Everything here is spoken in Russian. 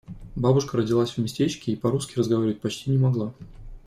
Бабушка родилась в местечке и по-русски разговаривать почти не могла.